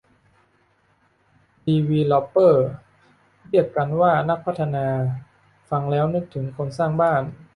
ดีวีลอปเปอร์ เรียกกันว่านักพัฒนา ฟังแล้วนึกถึงคนสร้างบ้าน